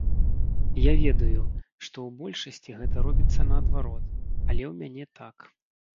Я ведаю, што ў большасці гэта робіцца наадварот, але ў мяне так.